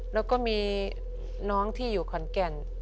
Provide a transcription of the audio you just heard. แล้วก็มีน้องที่อยู่ขอนแก่น